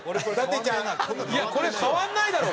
いやこれ変わんないだろ！